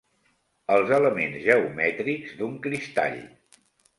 Els elements geomètrics d'un cristall.